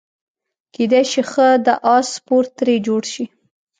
کیدای شي ښه د اس سپور ترې جوړ شي.